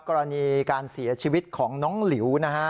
กรณีการเสียชีวิตของน้องหลิวนะฮะ